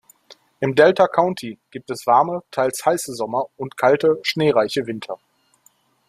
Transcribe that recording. Im Delta County gibt es warme, teils heiße Sommer und kalte, schneereiche Winter.